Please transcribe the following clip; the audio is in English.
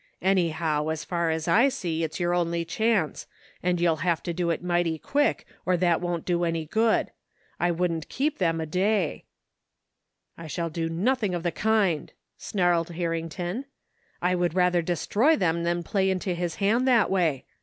Anyhow, as far as I see, it's your only chance, and you'll have to do it mighty quick or that won't do any good. I wouldn't keep them a day "" I shall do nothing of the kind," snarled Harring ton. " I would rather destroy them than play into his hand that way.